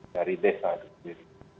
dari desa itu sendiri